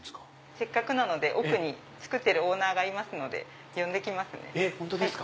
せっかくなので奥に作ってるオーナーがいますので呼んで来ますね。えっ本当ですか。